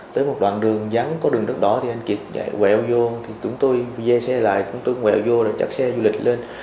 tới một đoạn đường dắn có đường đất đỏ thì anh kiệt quẹo vô chúng tôi dê xe lại chúng tôi quẹo vô chặt xe du lịch lên